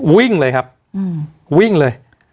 วิ่งเลยครับวิ่งเลย